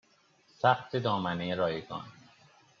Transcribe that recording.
ثبت دامنه رایگان